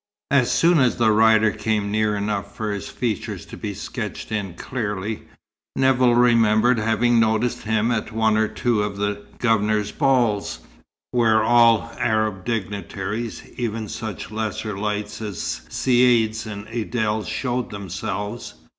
As soon as the rider came near enough for his features to be sketched in clearly, Nevill remembered having noticed him at one or two of the Governor's balls, where all Arab dignitaries, even such lesser lights as caïds and adels show themselves.